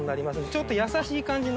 ちょっと優しい感じの。